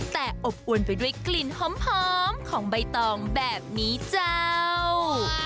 แต่อบอวนไปด้วยกลิ่นหอมของใบตองแบบนี้เจ้า